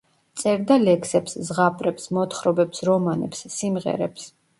წერდა ლექსებს, ზღაპრებს, მოთხრობებს, რომანებს, სიმღერებს.